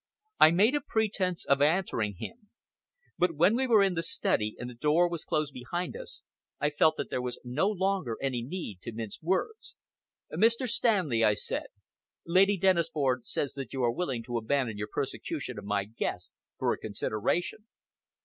I made a pretence of answering him. But when we were in the study and the door was closed behind us, I felt that there was no longer any need to mince words. "Mr. Stanley," I said, "Lady Dennisford says that you are willing to abandon your persecution of my guest for a consideration."